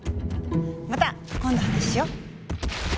また今度話しよう！